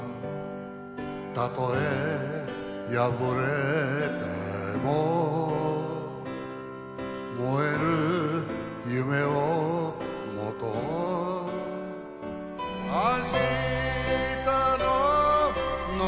「たとえ破れてももえる夢を持とう」「あしたの希望を」